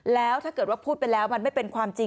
แล้วถ้าเกิดว่าพูดไปแล้วมันไม่เป็นความจริง